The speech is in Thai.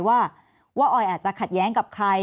ว่าออยอาจจะขัดแย้งกับใคร